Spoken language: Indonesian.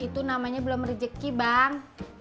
itu namanya belum rejeki bang